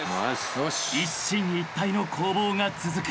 ［一進一退の攻防が続く］